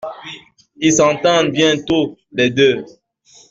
Ils s’entendent bien tous les deux.